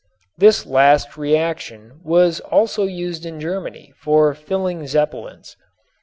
This last reaction was also used in Germany for filling Zeppelins.